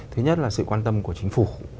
thứ nhất là sự quan tâm của chính phủ